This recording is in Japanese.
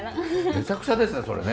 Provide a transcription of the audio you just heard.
めちゃくちゃですねそれね。